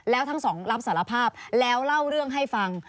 แล้วทั้งสองรับสารภาพแล้วเล่าเรื่องให้ฟัง